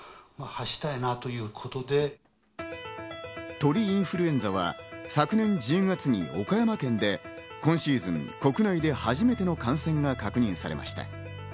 鳥インフルエンザは昨年１０月に岡山県で今シーズン国内で初めての感染が確認されました。